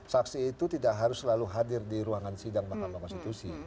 saksi itu tidak harus selalu hadir di ruangan sidang mahkamah konstitusi